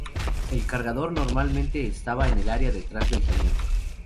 El cargador normalmente estaba en el área detrás del cañón.